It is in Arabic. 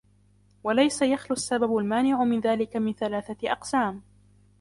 وَلَيْسَ يَخْلُو السَّبَبُ الْمَانِعُ مِنْ ذَلِكَ مِنْ ثَلَاثَةِ أَقْسَامٍ